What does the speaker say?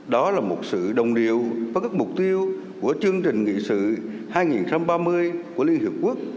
đó là một sự đồng điệu với các mục tiêu của chương trình nghị sự hai nghìn ba mươi của liên hợp quốc